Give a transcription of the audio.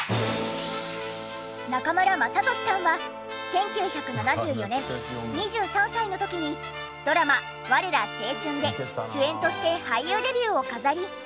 中村雅俊さんは１９７４年２３歳の時にドラマ『われら青春！』で主演として俳優デビューを飾り。